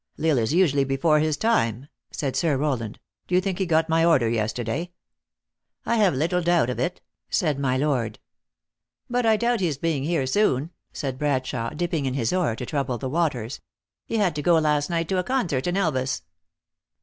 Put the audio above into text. " L Isle is usually before his time," said Sir Row land. " Do you think he got my order yesterday ?" "I have little doubt of it," said my lord. " But I doubt his being here soon," said Bradshawe, dipping in his oar to trouble the waters. " He had to go last night to a concert in Elvas."